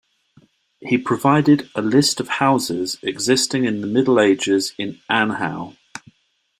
He provided a list of houses existing in the Middle Ages in Anhaux.